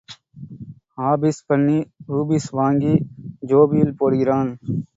Office பண்ணி rupees வாங்கி ஜோபியில் போடுகிறான்.